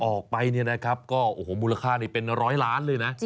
ออกไปเนี่ยนะครับก็มูลค่านี้เป็น๑๐๐ล้านเลยนะ